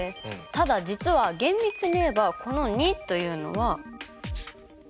ただ実は厳密に言えばこの２というのは。